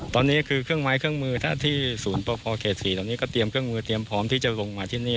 ตอนนี้คือเครื่องไม้เครื่องมือถ้าที่ศูนย์ประพอเขต๔เหล่านี้ก็เตรียมเครื่องมือเตรียมพร้อมที่จะลงมาที่นี่